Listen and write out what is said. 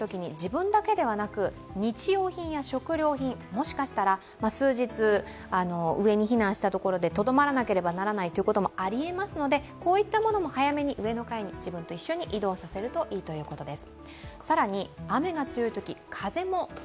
もしかしたら数日、上に避難した所でとどまらなければならないということも、ありえますのでこういったものも早めに上の階に、自分と一緒に移動させるといいということです。